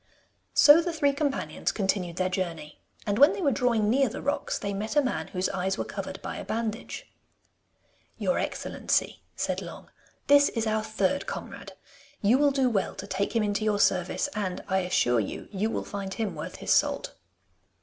So the three companions continued their journey, and when they were drawing near the rocks they met a man whose eyes were covered by a bandage. 'Your excellency,' said Long, 'this is our third comrade. You will do well to take him into your service, and, I assure you, you will find him worth his salt.